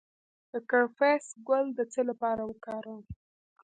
د کرفس ګل د څه لپاره وکاروم؟